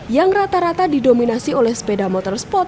yang rata rata didominasi oleh sepeda motor spot dua ratus lima puluh cc